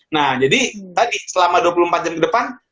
nah jadi tadi selama dua puluh empat jam ke depan